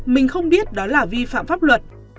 mình không biết đó là vi phạm pháp luật